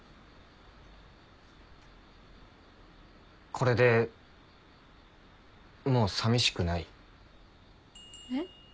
これでもうさみしくない？えっ？